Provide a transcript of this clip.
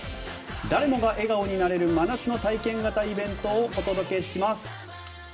誰もが笑顔になれる真夏の体験型イベントをお届けします！